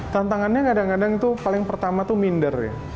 tantangannya kadang kadang itu paling pertama itu minder